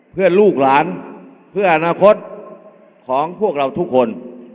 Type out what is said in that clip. เพื่อลูกหลานเพื่ออนาคตของพวกเราทุกคน